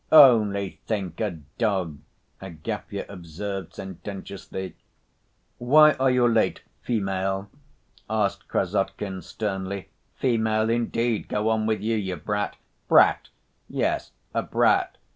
"Only think, a dog!" Agafya observed sententiously. "Why are you late, female?" asked Krassotkin sternly. "Female, indeed! Go on with you, you brat." "Brat?" "Yes, a brat.